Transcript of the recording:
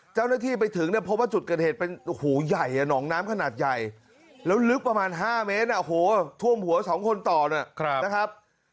เจ้าหน้าที่ไปถึงเนี่ยพบว่าจุดเกิดเหตุเป็นโอ้โหใหญ่หนองน้ำขนาดใหญ่แล้วลึกประมาณ๕เมตรท่วมหัว๒คนต่อนะครับ